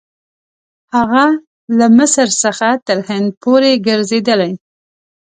هغه له مصر څخه تر هند پورې ګرځېدلی.